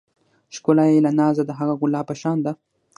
ښکلا بې له نازه د هغه ګلاب په شان ده.